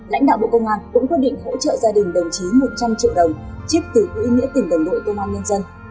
lãnh đạo bộ công an cũng quyết định hỗ trợ gia đình đồng chí một trăm linh triệu đồng chiếc từ quỹ nghĩa tỉnh đồng đội công an nhân dân